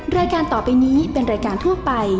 รายการต่อไปนี้เป็นรายการทั่วไป